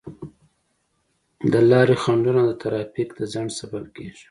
د لارې خنډونه د ترافیک د ځنډ سبب کیږي.